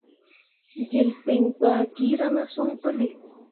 Jilkpiŋ gbah gira ne son puli.